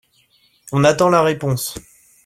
On attend la réponse